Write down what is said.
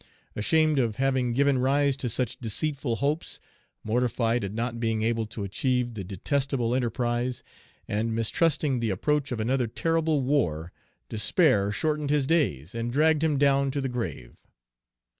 Ashamed of having given rise to such deceitful hopes, mortified at not being able to achieve the detestable enterprise, and mistrusting the approach of another terrible war, despair shortened his days and dragged him down to the grave.